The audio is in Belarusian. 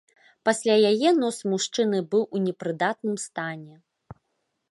Пасля яе нос мужчыны быў у непрыдатным стане.